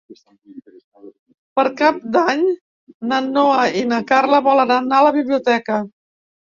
Per Cap d'Any na Noa i na Carla volen anar a la biblioteca.